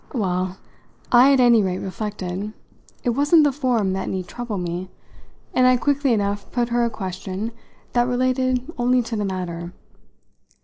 Well, I at any rate reflected, it wasn't the form that need trouble me, and I quickly enough put her a question that related only to the matter.